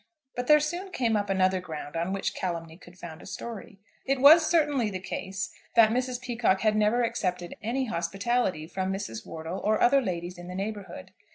But there soon came up another ground on which calumny could found a story. It was certainly the case that Mrs. Peacocke had never accepted any hospitality from Mrs. Wortle or other ladies in the neighbourhood.